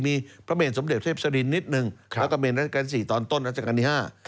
มีพระเมนสมเด็จเทพศรินนิดนึงแล้วก็เมนรัชกาลที่๔ตอนต้นรัชกาลที่๕